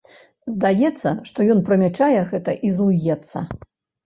Здаецца, што ён прымячае гэта і злуецца.